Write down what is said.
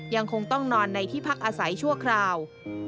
ยังคงต้องนอนในที่พักอาศัยชั่วคราว